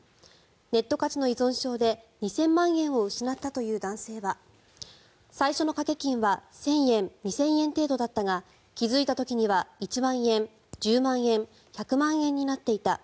ネットカジノ依存症で２０００万円を失ったという男性は最初の賭け金は１０００円２０００円程度だったが気付いた時には１万円、１０万円１００万円になっていた。